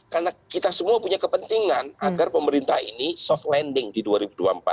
karena kita semua punya kepentingan agar pemerintah ini soft landing di dua ribu dua puluh empat